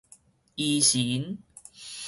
醫神